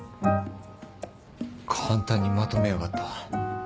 簡単にまとめやがった。